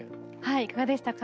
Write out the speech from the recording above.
いかがでしたか？